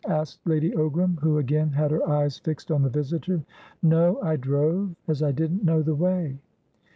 asked Lady Ogram, who again had her eyes fixed on the visitor. "No, I drove, as I didn't know the way."